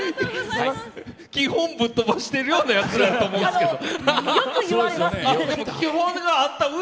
基本ぶっ飛ばしてるようなやつらやと思いますけど。